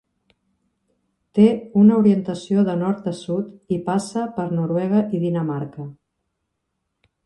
Té una orientació de nord a sud i passa per Noruega i Dinamarca.